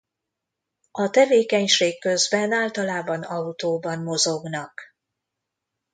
A tevékenység közben általában autóban mozognak.